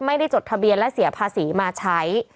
จดทะเบียนและเสียภาษีมาใช้